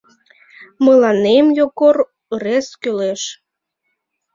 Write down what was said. Мыланем Йогор ырес кӱлеш.